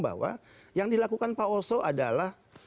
bahwa yang dilakukan pak oso adalah